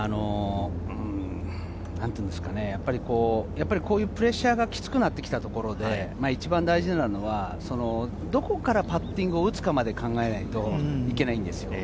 やっぱり、こういうプレッシャーがキツくなってきたところで、一番大事なのは、どこからパッティングを打つかまで考えないといけないんですよ。